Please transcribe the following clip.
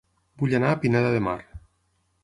Vull anar a Pineda de Mar